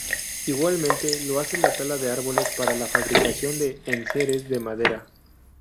Igualmente lo hace la tala de árboles para la fabricación de enseres de madera.